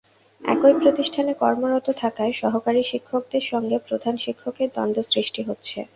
একই প্রতিষ্ঠানে কর্মরত থাকায় সহকারী শিক্ষকদের সঙ্গে প্রধান শিক্ষকের দ্বন্দ্ব সৃষ্টি হচ্ছে।